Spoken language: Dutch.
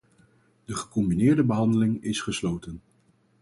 De gecombineerde behandeling is gesloten.